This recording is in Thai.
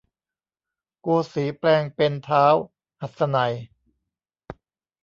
โกสีย์แปลงเป็นท้าวหัสนัยน์